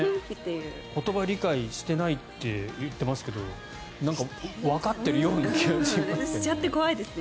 言葉を理解してないと言ってますけどなんか、わかってるような気もしますよね。